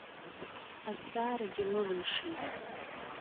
Азҵаарагьы лылымшеит.